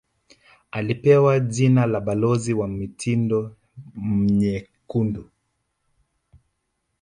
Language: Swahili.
Alipewa jina la balozi wa mitindo myekundu